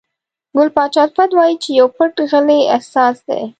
ګل پاچا الفت وایي چې پو پټ غلی احساس دی.